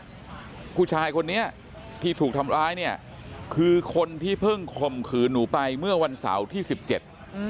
ผู้ชายคนนี้ที่ถูกทำร้ายเนี่ยคือคนที่เพิ่งข่มขืนหนูไปเมื่อวันเสาร์ที่สิบเจ็ดอืม